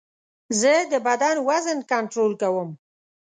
زه د بدن وزن کنټرول کوم.